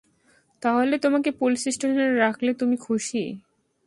তাহলে তোমাকে পুলিশ স্টেশনে রাখলে তুমি খুশি?